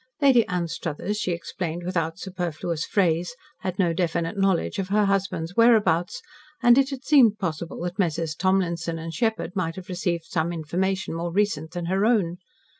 Lady Anstruthers, she explained without superfluous phrase, had no definite knowledge of her husband's whereabouts, and it had seemed possible that Messrs. Townlinson & Sheppard might have received some information more recent that her own.